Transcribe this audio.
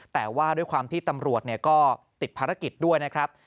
แต่ว่าด้วยความที่ตำรวจก็ติดภารกิจด้วยนะครับ